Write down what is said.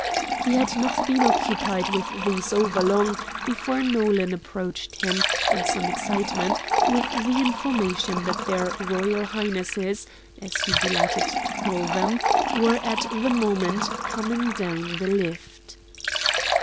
He had not been occupied with these over long before Nolan approached him, in some excitement, with the information that their Royal Highnesses as he delighted to call them were at that moment "coming down the lift."